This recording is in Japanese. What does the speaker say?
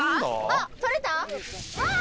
あっ取れた？